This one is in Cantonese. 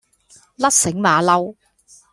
甩繩馬騮